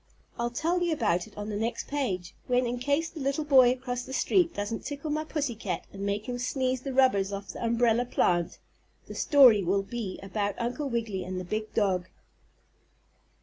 I'll tell you about it on the next page, when, in case the little boy across the street doesn't tickle my pussy cat and make him sneeze the rubbers off the umbrella plant, the story will be about Uncle Wiggily and the big dog.